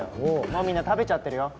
もうみんな食べちゃってるよ。